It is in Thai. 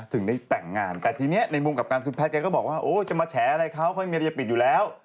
ถึงได้แต่งงานแต่ทีนี้ในมุมกลับกันคุณแพทย์แกก็บอกว่าโอ้จะมาแฉอะไรเขาค่อยมีอะไรจะปิดอยู่แล้ว